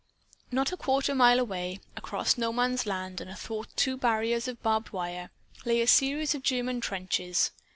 Not a quarter mile away across No Man's Land and athwart two barriers of barbed wire lay a series of German trenches.